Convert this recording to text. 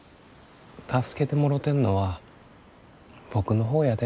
助けてもろてんのは僕の方やで。